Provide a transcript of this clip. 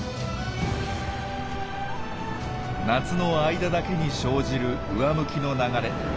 夏の間だけに生じる上向きの流れ。